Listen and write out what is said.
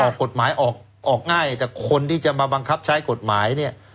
ออกกฎหมายออกออกง่ายแต่คนที่จะมาบังคับใช้กฎหมายเนี่ย